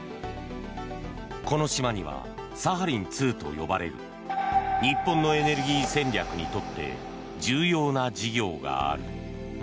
この島にはサハリン２と呼ばれる日本のエネルギー戦略にとって重要な事業がある。